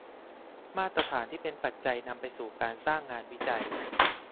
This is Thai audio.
มาตรฐานที่เป็นปัจจัยนำไปสู่การสร้างงานวิจัย